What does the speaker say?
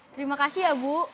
terima kasih ya bu